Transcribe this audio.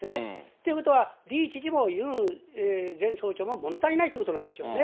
ということはイ知事もユン総長も、もの足りないっていうことなんですよね。